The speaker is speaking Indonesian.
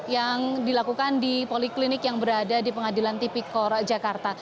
yang dilakukan di poliklinik yang berada di pengadilan tipikor jakarta